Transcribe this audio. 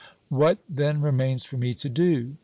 What then remains for me to do?